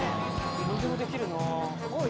何でもできるな。